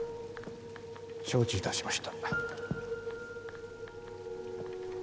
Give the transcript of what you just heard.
承知いたしました。